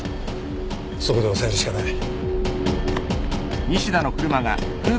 そこで押さえるしかない。